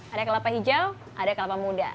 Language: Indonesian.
ada kelapa hijau ada kelapa muda